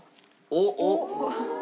おっおっ！